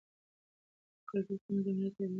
کلتور زموږ د ملت هویت دی.